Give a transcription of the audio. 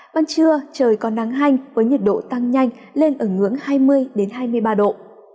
ban trưa trời có nắng hanh với nhiệt độ tăng nhanh lên ở ngưỡng hai mươi hai mươi ba độ